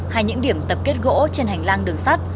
hay những điểm tập kết gỗ trên hành lang đường sắt